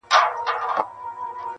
ما يې اوږده غمونه لنډي خوښۍ نه غوښتې,